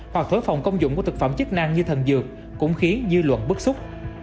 hoặc thối phòng công dụng của thực phẩm chức năng như thần dược cũng khiến dư luận bức xúc